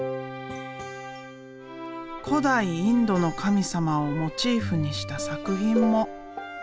古代インドの神様をモチーフにした作品も。